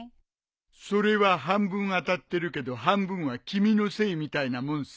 それは半分当たってるけど半分は君のせいみたいなもんさ。